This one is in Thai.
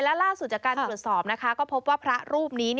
และล่าสุดจากการตรวจสอบนะคะก็พบว่าพระรูปนี้